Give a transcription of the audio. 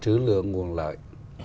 sử lượng nguồn lợi